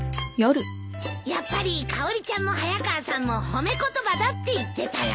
やっぱりかおりちゃんも早川さんも褒め言葉だって言ってたよ。